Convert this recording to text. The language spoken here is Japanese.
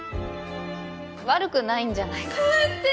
悪くないんじゃないかな。素敵！